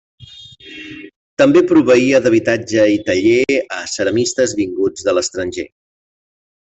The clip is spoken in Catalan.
També proveïa d'habitatge i taller a ceramistes vinguts de l'estranger.